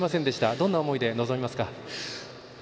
どんな思いで臨みますか？